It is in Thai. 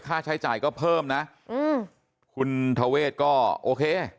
ค่าใช้จ่ายก็เพิ่มนะอืมคุณทเวศก็โอเค